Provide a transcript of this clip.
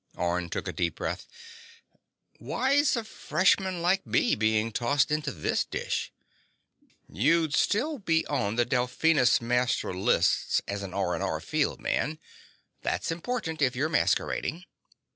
Orne took a deep breath. "Why's a freshman like me being tossed into this dish?" "You'd still be on the Delphinus master lists as an R&R field man. That's important if you're masquerading."